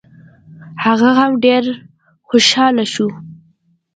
هغه هم ډېر خوشحاله شو.